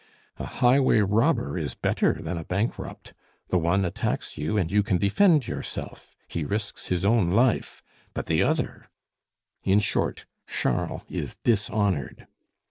A highway robber is better than a bankrupt: the one attacks you and you can defend yourself, he risks his own life; but the other in short, Charles is dishonored."